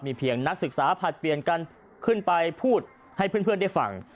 เพียงนักศึกษาผลัดเปลี่ยนกันขึ้นไปพูดให้เพื่อนได้ฟัง